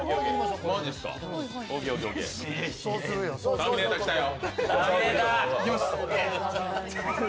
ターミネーター、来たよ。